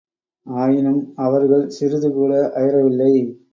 ஆயினும், அவர்கள் சிறிதுகூட அயரவில்லை.